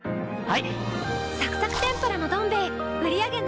はい。